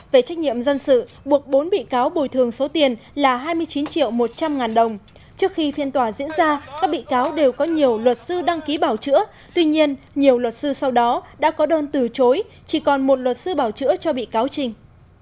về trách nhiệm dân sự buộc bốn bị cáo bồi thường số tiền là hai mươi chín triệu một trăm linh ngàn đồng trước khi phiên tòa diễn ra các bị cáo đều có nhiều luật sư đăng ký bảo chữa tuy nhiên nhiều luật sư sau đó đã có đơn từ chối chỉ còn một luật sư bảo chữa cho bị cáo trình